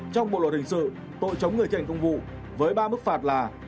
trong bộ luật hình sự tội chống người thi hành công vụ với ba mức phạt là